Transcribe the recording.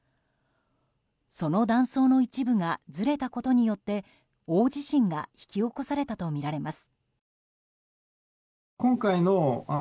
その断層の一部がずれたことによって大地震が引き起こされたとみられます。